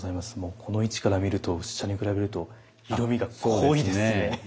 この位置から見ると薄茶に比べると色みが濃いですね。